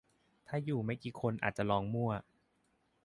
ถ้าอยู่ไม่กี่คนอาจจะลองมั่ว